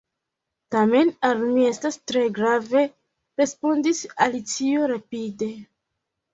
"Tamen al mi estas tre grave," respondis Alicio rapide.